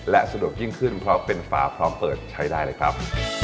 และสะดวกยิ่งขึ้นเพราะเป็นฝาพร้อมเปิดใช้ได้เลยครับ